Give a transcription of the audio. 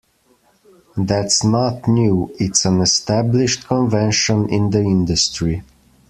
That's not new, it's an established convention in the industry.